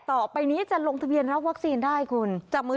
ต่อไปนี้จะลงทะเบียนรับวัคซีนได้คุณจับมือ